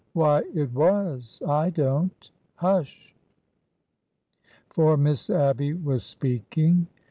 '' Why, it was ! I don't— Hush !" For Miss Abby was speaking.